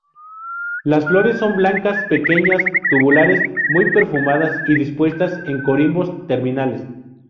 Las flores son blancas, pequeñas, tubulares, muy perfumadas y dispuestas en corimbos terminales.